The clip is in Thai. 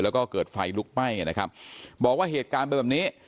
แล้วก็เกิดไฟลุกไหม้นะครับบอกว่าเหตุการณ์เป็นแบบนี้